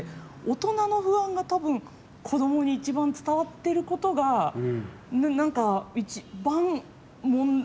大人の不安が多分子どもに一番伝わってることがなんか、一番問題というか。